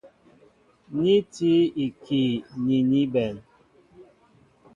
Ni tí ikii ni ní bɛ̌n.